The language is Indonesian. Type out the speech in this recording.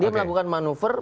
dia melakukan manuver